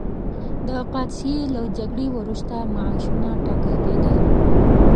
د قادسیې له جګړې وروسته معاشونه ټاکل کېدل.